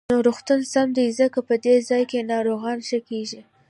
نو روغتون سم دی، ځکه په دې ځاى کې ناروغان ښه کېږي.